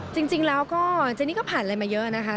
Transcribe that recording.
จริงแล้วก็เจนี่ก็ผ่านอะไรมาเยอะนะคะ